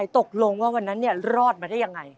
ตกลงวันนั้นรอดมาได้อย่างไร